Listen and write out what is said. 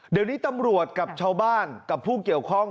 เดี๋ยวนี้ตำรวจกับชาวบ้านกับผู้เกี่ยวข้อง